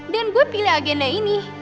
dan gue pilih agenda ini